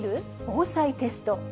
防災テスト。